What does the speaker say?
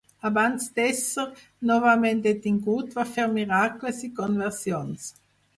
Abans d'ésser novament detingut, va fer miracles i conversions.